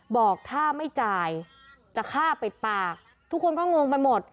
บอกถ้าไม่จ่ายจะฆ่าปิดปากทุกคนก็งงไปหมด